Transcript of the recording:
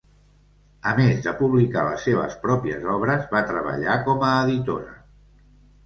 A més de publicar les seves pròpies obres, va treballar com a editora.